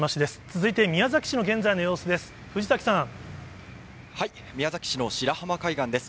続いて宮崎市の現在の様子です。